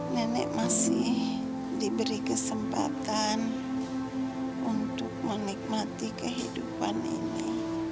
nenek masih diberi kesempatan untuk menikmati kehidupan ini